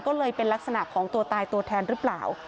ก็เลยเป็นลักษณะของตัวตายตัวแทนหรือเปล่า